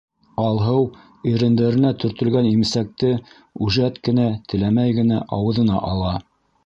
Алһыу ирендәренә төртөлгән имсәкте үжәт кенә, теләмәй генә ауыҙына ала.